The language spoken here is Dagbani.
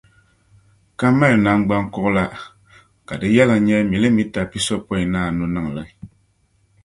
ka mali naŋgbankuɣila ka di yɛliŋ nyɛ milimita pisopɔinnaanu niŋ li.